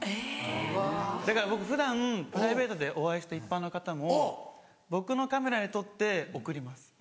・えぇ・だから僕普段プライベートでお会いした一般の方も僕のカメラで撮って送ります。